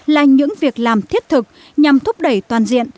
là những việc làm thiết thực nhằm thúc đẩy toàn diện